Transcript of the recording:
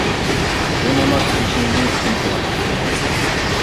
بۇ ناماز پېشىندىن كېيىنكى ۋاقىت ئىكەن.